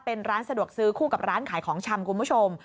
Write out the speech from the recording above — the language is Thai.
เป็นร้านสะดวกซื้อคู่กับร้านขายของชำคุณผู้ชม